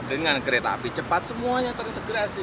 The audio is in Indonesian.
dengan kereta api cepat semuanya terintegrasi